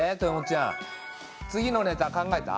ちゃん次のネタ考えた？